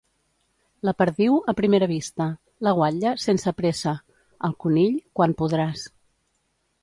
La perdiu, a primera vista; la guatlla, sense pressa; el conill, quan podràs.